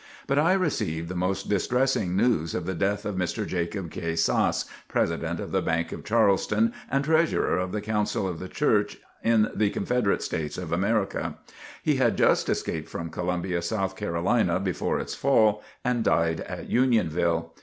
But I received the most distressing news of the death of Mr. Jacob K. Sass, President of the Bank of Charleston and Treasurer of the Council of the Church in the Confederate States of America. He had just escaped from Columbia, South Carolina, before its fall, and died at Unionville.